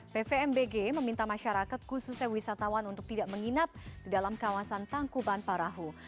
pvmbg meminta masyarakat khususnya wisatawan untuk tidak menginap di dalam kawasan tangkuban parahu